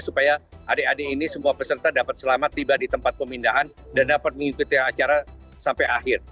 supaya adik adik ini semua peserta dapat selamat tiba di tempat pemindahan dan dapat mengikuti acara sampai akhir